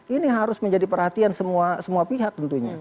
ini harus menjadi perhatian semua pihak tentunya